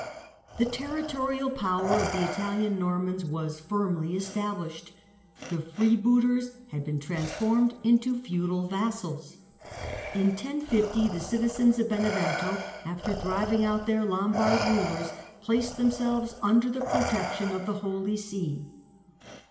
The territorial power of the Italian Normans was firmly established. The freebooters had been transformed into feudal vassals. In 1050 the citi zens of Benevento, after driving out their Lombard rulers, placed themselves under the protection of the Holy See.